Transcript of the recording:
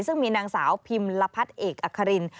ซึ่งมีนางสาวพิมลพัฒน์เอกอัคริน